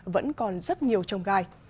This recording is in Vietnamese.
vẫn còn rất nhiều trông gai